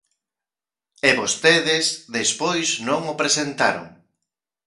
E vostedes despois non o presentaron.